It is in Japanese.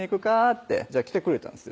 ってじゃあ来てくれたんですよ